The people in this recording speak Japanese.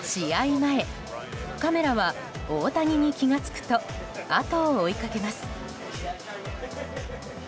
前カメラは大谷に気が付くと後を追いかけます。